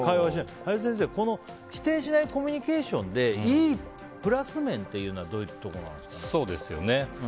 林先生、否定しないコミュニケーションでいいプラス面はどういうところなんですかね。